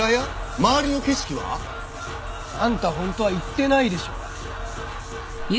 周りの景色は？あんた本当は行ってないでしょ。